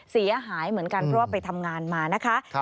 เสียหายเหมือนกันเพราะว่าไปทำงานมานะคะ